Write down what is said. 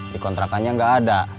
di kontrakannya gak ada